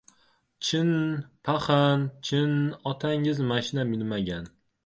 — Chin, paxan, chin, otangiz mashina minmagan!